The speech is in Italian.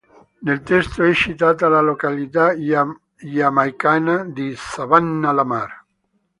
Nel testo è citata la località giamaicana di Savanna-la-Mar.